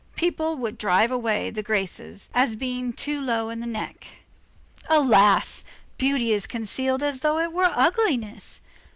People would drive away the Graces as being too low in the neck. Alas! beauty is concealed as though it were ugliness.